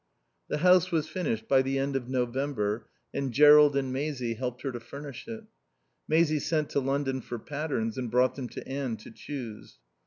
The house was finished by the end of November and Jerrold and Maisie helped her to furnish it. Maisie sent to London for patterns and brought them to Anne to choose.